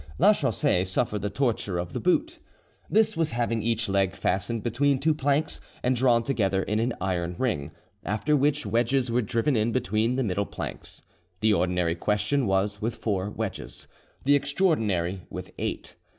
Lachaussee suffered the torture of the boot. This was having each leg fastened between two planks and drawn together in an iron ring, after which wedges were driven in between the middle planks; the ordinary question was with four wedges, the extraordinary with eight.